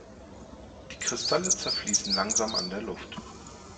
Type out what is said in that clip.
Die Kristalle zerfließen langsam an der Luft.